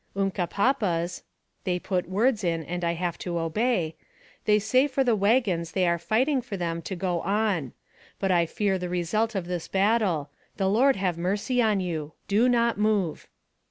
" Unkpapas (they put words in, and I have to obey) they say for the wagons they are fighting for them to go on. But I fear the result of this battle. The Lord have mercy on you. Do not move.